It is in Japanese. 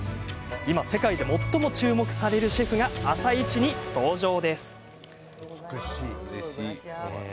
今、世界で最も注目されるシェフが「あさイチ」に登場です。